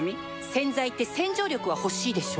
洗剤って洗浄力は欲しいでしょ